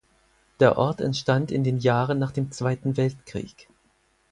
Der Ort entstand in den Jahren nach dem Zweiten Weltkrieg.